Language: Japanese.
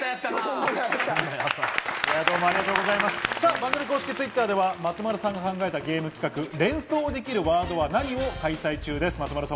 番組公式Ｔｗｉｔｔｅｒでは松丸さんが考えたゲーム企画、「連想できるワードは何！？」を開催中です。